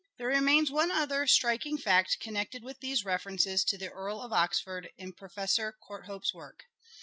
There remains one other striking fact connected with these references to the Earl of Oxford in Professor Courthope's work.